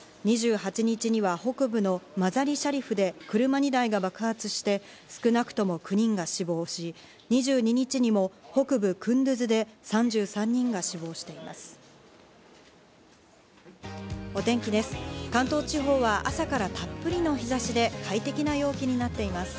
２８日には北部のマザリシャリフで車２台が爆発して少なくとも９人が死亡し、２２日にも北部クンドゥズで３３人が死亡しています。